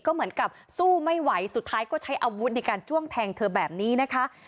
ก็เหมือนกับสู้ไม่ไหวสุดท้ายก็ใช้อาวุธในการจ้วงแทงเธอแบบนี้นะคะ